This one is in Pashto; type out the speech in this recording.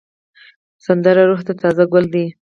سندره روح ته تازه ګل دی